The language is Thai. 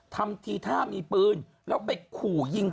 ทำทีท่ามีปืนแล้วไปขู่ยิง